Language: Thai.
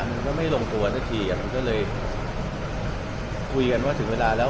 มันก็ไม่ลงตัวสักทีมันก็เลยคุยกันว่าถึงเวลาแล้ว